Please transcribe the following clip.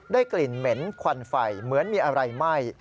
กลิ่นเหม็นควันไฟเหมือนมีอะไรไหม้